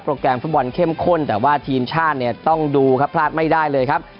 แกรมฟุตบอลเข้มข้นแต่ว่าทีมชาติเนี่ยต้องดูครับพลาดไม่ได้เลยครับ